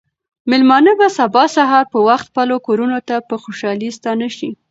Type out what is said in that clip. مېلمانه به سبا سهار په وخت خپلو کورونو ته په خوشحالۍ ستانه شي.